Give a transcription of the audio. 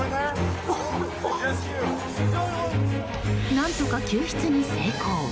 何とか救出に成功。